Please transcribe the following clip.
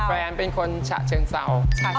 แฟนเป็นคนฉะเชิงเศร้า